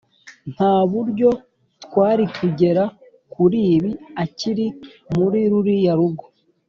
ntaburyo twarikugera kuribi akiri muri ruriya rugo.